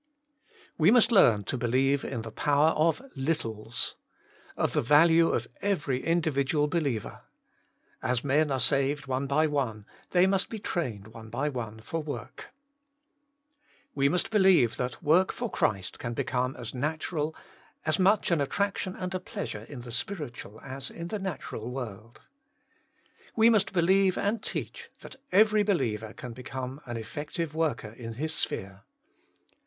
1. We must learn to believe in the power of littles — of the value of every individual believer. As men are saved one by one, they must be trained one by one for work. 2. We must believe that work for Christ can become as natural, as much an attraction and a pleasure in the spiritual as in the natural world. 3. We must believe and teach that every be liever can become an effective worker in his sphere.